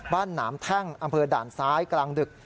หนามแท่งอำเภอด่านซ้ายกลางดึก